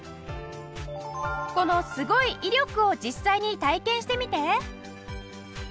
このすごい威力を実際に体験してみて！